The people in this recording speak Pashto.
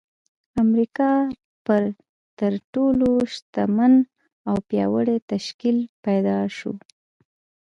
د امريکا پر تر ټولو شتمن او پياوړي تشکيل بدل شو.